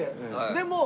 でも。